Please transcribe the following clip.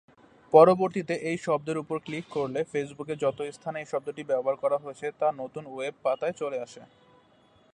পরবর্তিতে ওই শব্দের উপর ক্লিক করলে ফেসবুকের যত স্থানে ওই শব্দটি ব্যবহার হয়েছে তা নতুন ওয়েব পাতায় চলে আসে।